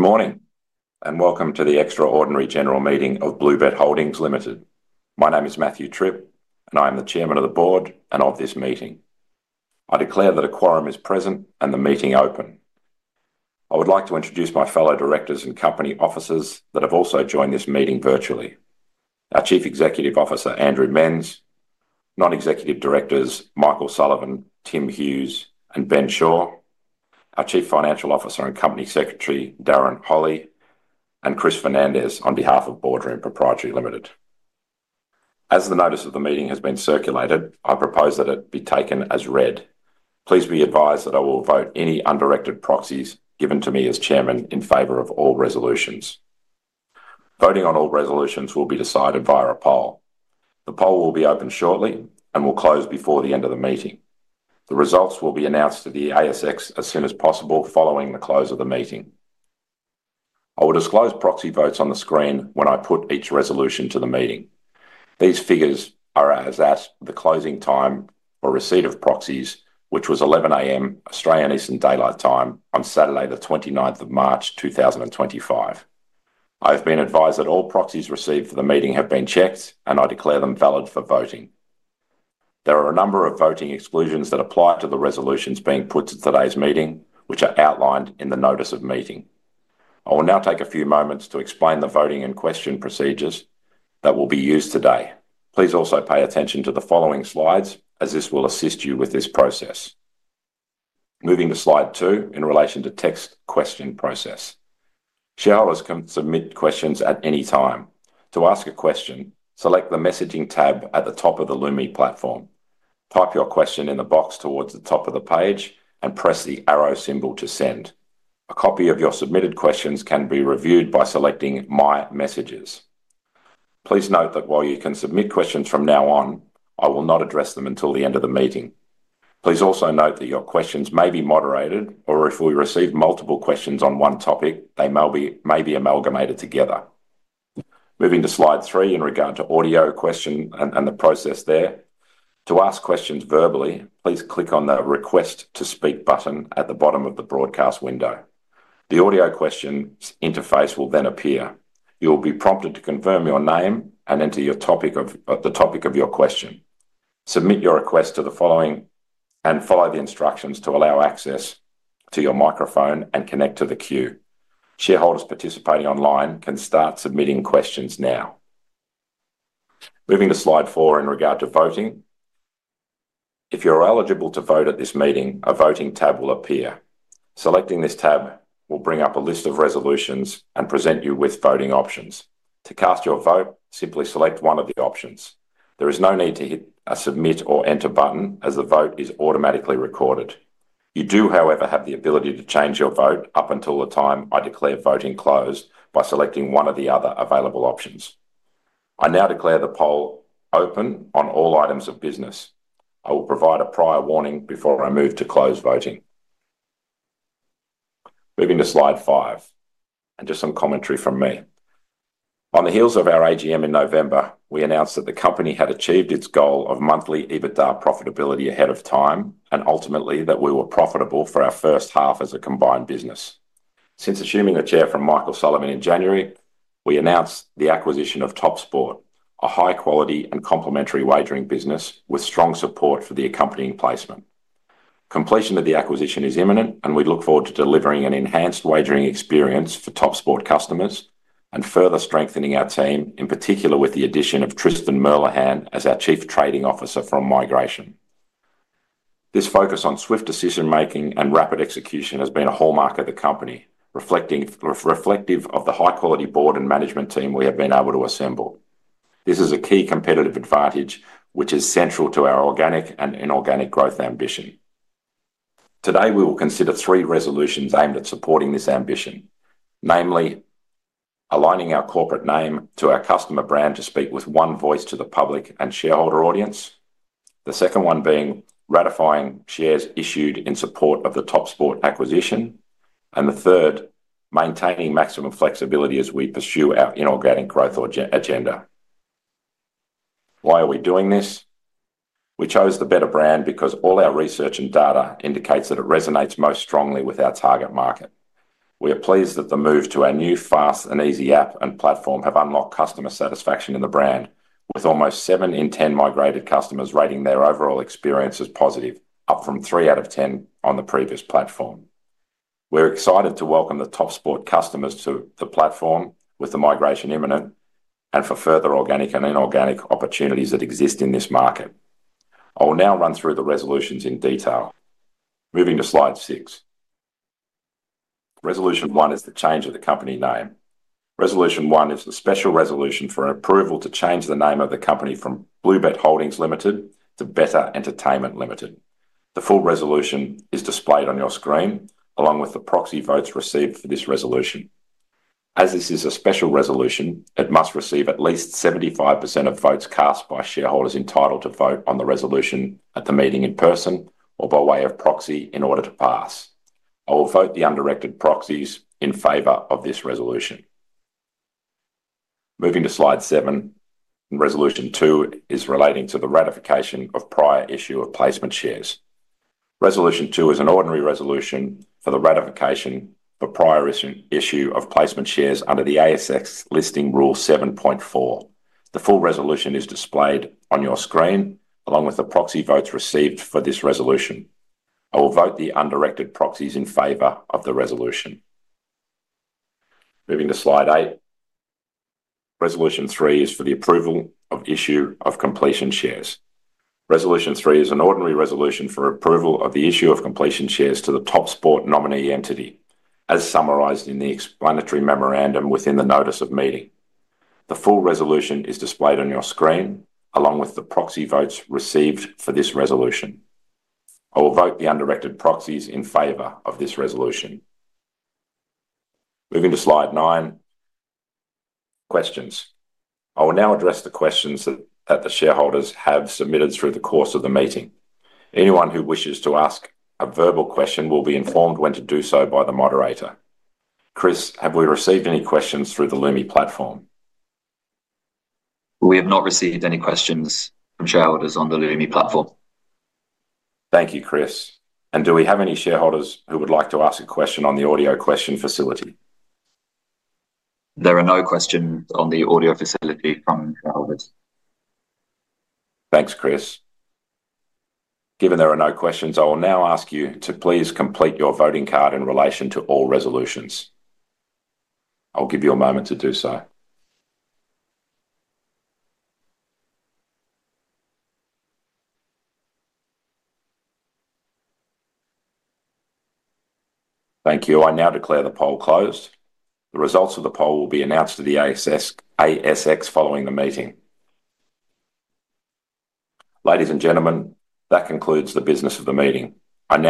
Good morning and welcome to the Extraordinary General Meeting of BlueBet Holdings Limited. My name is Matthew Tripp, and I am the Chairman of the Board and of this meeting. I declare that a quorum is present and the meeting open. I would like to introduce my fellow directors and company officers that have also joined this meeting virtually. Our Chief Executive Officer, Andrew Menz, non-executive directors, Michael Sullivan, Tim Hughes, and Ben Shaw, our Chief Financial Officer and Company Secretary, Darren Holley, and Chris Fernandez on behalf of Bordering Proprietary Limited. As the notice of the meeting has been circulated, I propose that it be taken as read. Please be advised that I will vote any undirected proxies given to me as Chairman in favor of all resolutions. Voting on all resolutions will be decided via a poll. The poll will be opened shortly and will close before the end of the meeting. The results will be announced to the ASX as soon as possible following the close of the meeting. I will disclose proxy votes on the screen when I put each resolution to the meeting. These figures are as at the closing time for receipt of proxies, which was 11:00 A.M. Australian Eastern Daylight Time on Saturday, the 29th of March 2025. I have been advised that all proxies received for the meeting have been checked, and I declare them valid for voting. There are a number of voting exclusions that apply to the resolutions being put to today's meeting, which are outlined in the notice of meeting. I will now take a few moments to explain the voting and question procedures that will be used today. Please also pay attention to the following slides, as this will assist you with this process. Moving to slide two in relation to text question process. Shareholders can submit questions at any time. To ask a question, select the messaging tab at the top of the Lumi platform. Type your question in the box towards the top of the page and press the arrow symbol to send. A copy of your submitted questions can be reviewed by selecting My Messages. Please note that while you can submit questions from now on, I will not address them until the end of the meeting. Please also note that your questions may be moderated, or if we receive multiple questions on one topic, they may be amalgamated together. Moving to slide three in regard to audio questions and the process there. To ask questions verbally, please click on the Request to Speak button at the bottom of the broadcast window. The audio question interface will then appear. You will be prompted to confirm your name and enter the topic of your question. Submit your request to the following and follow the instructions to allow access to your microphone and connect to the queue. Shareholders participating online can start submitting questions now. Moving to slide four in regard to voting. If you are eligible to vote at this meeting, a voting tab will appear. Selecting this tab will bring up a list of resolutions and present you with voting options. To cast your vote, simply select one of the options. There is no need to hit a Submit or Enter button, as the vote is automatically recorded. You do, however, have the ability to change your vote up until the time I declare voting closed by selecting one of the other available options. I now declare the poll open on all items of business. I will provide a prior warning before I move to close voting. Moving to slide five and just some commentary from me. On the heels of our AGM in November, we announced that the company had achieved its goal of monthly EBITDA profitability ahead of time and ultimately that we were profitable for our first half as a combined business. Since assuming the chair from Michael Sullivan in January, we announced the acquisition of TopSport, a high-quality and complementary wagering business with strong support for the accompanying placement. Completion of the acquisition is imminent, and we look forward to delivering an enhanced wagering experience for TopSport customers and further strengthening our team, in particular with the addition of Tristan Merlehan as our Chief Trading Officer from TopSport. This focus on swift decision-making and rapid execution has been a hallmark of the company, reflective of the high-quality board and management team we have been able to assemble. This is a key competitive advantage which is central to our organic and inorganic growth ambition. Today, we will consider three resolutions aimed at supporting this ambition, namely aligning our corporate name to our customer brand to speak with one voice to the public and shareholder audience, the second one being ratifying shares issued in support of the TopSport acquisition, and the third, maintaining maximum flexibility as we pursue our inorganic growth agenda. Why are we doing this? We chose the betr brand because all our research and data indicates that it resonates most strongly with our target market. We are pleased that the move to our new, fast, and easy app and platform have unlocked customer satisfaction in the brand, with almost seven in ten migrated customers rating their overall experience as positive, up from three out of ten on the previous platform. We're excited to welcome the TopSport customers to the platform with the migration imminent and for further organic and inorganic opportunities that exist in this market. I will now run through the resolutions in detail. Moving to slide six. Resolution one is the change of the company name. Resolution one is the special resolution for approval to change the name of the company from BlueBet Holdings Limited to betr Entertainment Limited. The full resolution is displayed on your screen, along with the proxy votes received for this resolution. As this is a special resolution, it must receive at least 75% of votes cast by shareholders entitled to vote on the resolution at the meeting in person or by way of proxy in order to pass. I will vote the undirected proxies in favor of this resolution. Moving to slide seven, resolution two is relating to the ratification of prior issue of placement shares. Resolution two is an ordinary resolution for the ratification of prior issue of placement shares under the ASX Listing Rule 7.4. The full resolution is displayed on your screen, along with the proxy votes received for this resolution. I will vote the undirected proxies in favor of the resolution. Moving to slide eight, resolution three is for the approval of issue of completion shares. Resolution three is an ordinary resolution for approval of the issue of completion shares to the TopSport nominee entity, as summarised in the explanatory memorandum within the notice of meeting. The full resolution is displayed on your screen, along with the proxy votes received for this resolution. I will vote the undirected proxies in favor of this resolution. Moving to slide nine, questions. I will now address the questions that the shareholders have submitted through the course of the meeting. Anyone who wishes to ask a verbal question will be informed when to do so by the moderator. Chris, have we received any questions through the Lumi platform? We have not received any questions from shareholders on the Lumi platform. Thank you, Chris. Do we have any shareholders who would like to ask a question on the audio question facility? There are no questions on the audio facility from shareholders. Thanks, Chris. Given there are no questions, I will now ask you to please complete your voting card in relation to all resolutions. I'll give you a moment to do so. Thank you. I now declare the poll closed. The results of the poll will be announced to the ASX following the meeting. Ladies and gentlemen, that concludes the business of the meeting. I now.